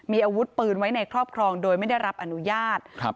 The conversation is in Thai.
มีอาวุธปืนไว้ในครอบครองโดยไม่ได้รับอนุญาตครับ